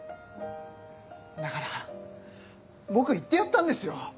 だから僕言ってやったんですよ。